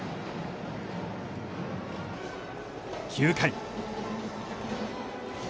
９回。